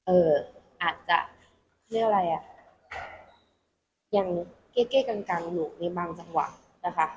เอ่ออาจจะนี่อะไรอ่ะยังเก็บเก็บกันกันหนูในบางจังหวะนะคะ